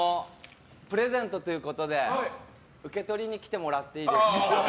プレゼントということで受け取りに来てもらっていいですか。